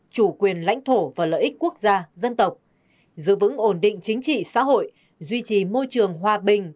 chủ quyền lãnh thổ và lợi ích quốc gia dân tộc giữ vững ổn định chính trị xã hội duy trì môi trường hòa bình